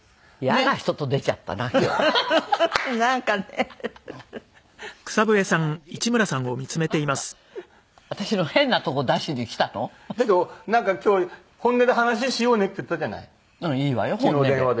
だってなんか今日「本音で話しようね」って言ったじゃない昨日電話で。